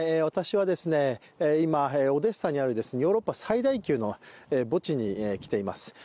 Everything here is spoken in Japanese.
私は今、オデッサにあるヨーロッパ最大級の墓地に来ています。